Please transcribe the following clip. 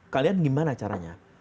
kalian gimana caranya